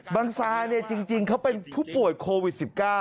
บังซาเนี่ยจริงเขาเป็นผู้ป่วยโควิด๑๙